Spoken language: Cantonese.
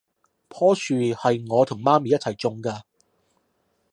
樖樹係我同媽咪一齊種㗎